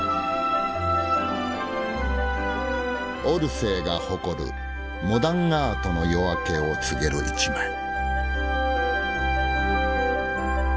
オルセーが誇るモダンアートの夜明けを告げる一枚。